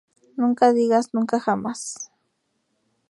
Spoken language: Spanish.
Nunca digas nunca jamás